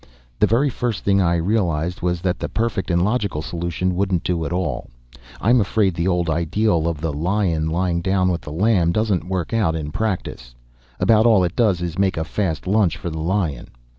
The very first thing I realized, was that the perfect and logical solution wouldn't do at all. I'm afraid the old ideal of the lion lying down with the lamb doesn't work out in practice. About all it does is make a fast lunch for the lion.